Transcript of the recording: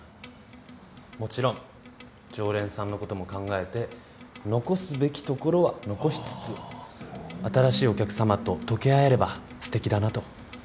もちろん常連さんのことも考えて残すべき所は残しつつ新しいお客様と溶け合えればすてきだなと。